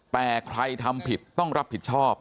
แต่ใครทำผิดต้องรับผิดชอบ